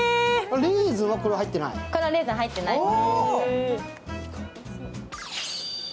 これはレーズンは入ってないです。